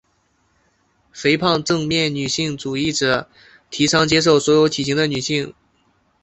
肥胖正面女性主义者提倡接受所有体型的女性。